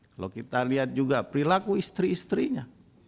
kalau kita lihat juga perilaku istri istrinya